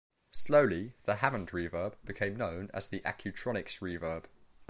Slowly the "Hammond Reverb" became known as the "Accutronics Reverb".